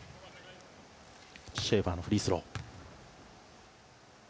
シェーファーのフリースロー。